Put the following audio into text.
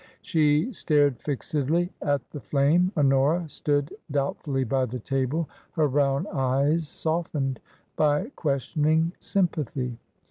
She stared fixedly at the flame. Honora stood doubt fully by the. table, her brown eyes softened by question ing sympathy.